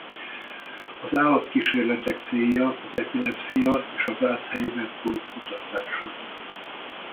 Az állatkísérletek célja az epilepszia és az Alzheimer-kór kutatása.